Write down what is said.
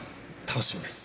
楽しみです。